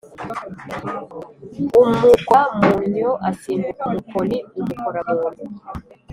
umukora mu nnyo, asimbuka 'umukoni umukora mu nnyo!